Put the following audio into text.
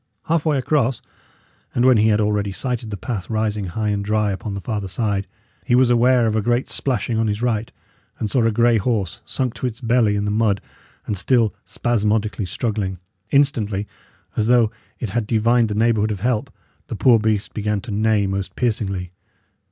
Half way across, and when he had already sighted the path rising high and dry upon the farther side, he was aware of a great splashing on his right, and saw a grey horse, sunk to its belly in the mud, and still spasmodically struggling. Instantly, as though it had divined the neighbourhood of help, the poor beast began to neigh most piercingly.